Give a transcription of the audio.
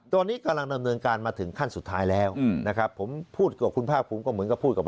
ตอนนี้กำลังดำเนินการมาถึงขั้นสุดท้ายแล้วผมพูดกับคุณภาคภูมิ